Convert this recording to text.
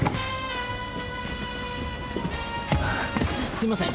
すいません。